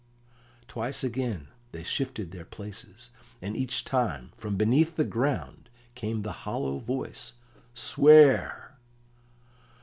Twice again they shifted their places, and each time from beneath the ground came the hollow voice, "Swear!"